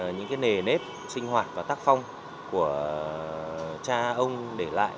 những nề nếp sinh hoạt và tác phong của cha ông để lại